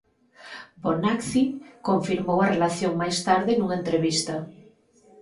Bonacci confirmou a relación máis tarde nunha entrevista.